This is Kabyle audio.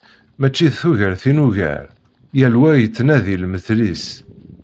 Mačči d tugert i nugar, yal wa yettnadi lmetl-is.